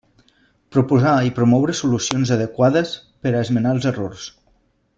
Proposar i promoure solucions adequades per a esmenar els errors.